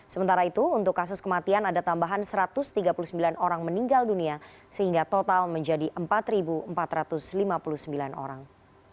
sementara itu untuk kasus kematian ada tambahan satu ratus tiga puluh sembilan orang meninggal dunia sehingga total menjadi empat empat ratus lima puluh sembilan orang